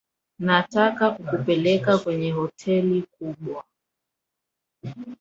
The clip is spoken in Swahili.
Nataka kukupeleka kwenye hoteli kubwa.